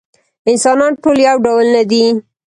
انسانان ټول یو ډول نه دي.